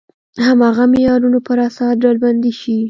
هماغه معیارونو پر اساس ډلبندي شي.